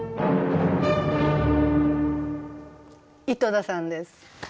井戸田さんです。